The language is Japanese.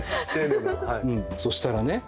そしたらね